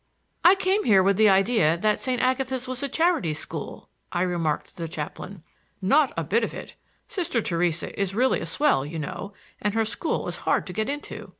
"I came here with the idea that St. Agatha's was a charity school," I remarked to the chaplain. "Not a bit of it! Sister Theresa is really a swell, you know, and her school is hard to get into."